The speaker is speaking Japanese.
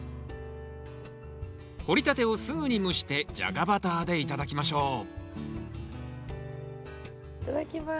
掘りたてをすぐに蒸してジャガバターで頂きましょういただきます。